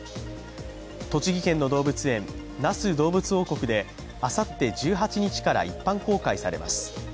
栃木県の動物園、那須どうぶつ王国であさって１８日から一般公開されます。